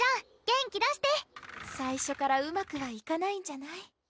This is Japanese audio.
元気出して最初からうまくはいかないんじゃない？